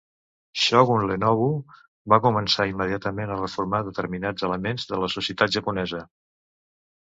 Shogun Ienobu va començar immediatament a reformar determinats elements de la societat japonesa.